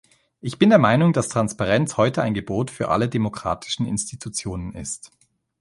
Ich bin der Meinung, dass Transparenz heute ein Gebot für alle demokratischen Institutionen ist.